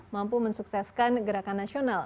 mampu mensukseskan gerakan nasional